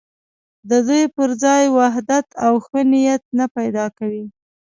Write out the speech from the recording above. د دوی پر ځای وحدت او ښه نیت نه پیدا کوي.